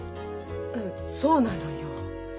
あそうなのよ。